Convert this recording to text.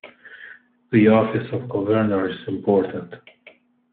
The office of Governor is important.